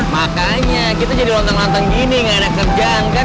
makanya kita jadi lontong lontong gini gak ada kerjaan kan